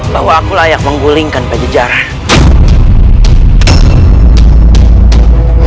bahwa aku layak menggulingkan pajak jahat